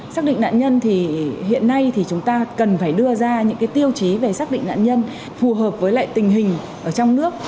xác định nạn nhân thì hiện nay chúng ta cần phải đưa ra những tiêu chí về xác định nạn nhân phù hợp với tình hình trong nước